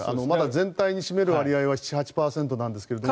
まだ全体に占める割合は７８％なんですが。